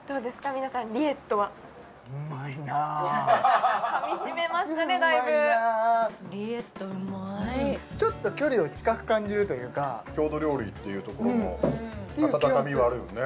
皆さんリエットはかみしめましたねだいぶうまいなちょっと距離を近く感じるというか郷土料理っていうところのあたたかみはあるよね